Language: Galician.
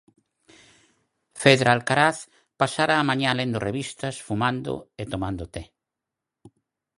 Fedra Alcaraz pasara a mañá lendo revistas, fumando e tomando té.